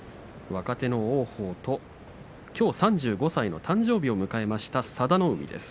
若手の王鵬ときょう３５歳の誕生日を迎えた佐田の海です。